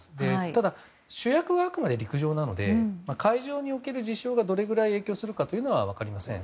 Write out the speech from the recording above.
ただ、主役はあくまで陸上なので海上における事象がどれくらい影響するかは分かりません。